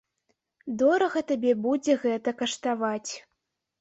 Дорага табе будзе гэта каштаваць.